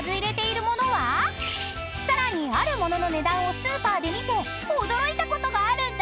［さらにある物の値段をスーパーで見て驚いたことがあるんだって］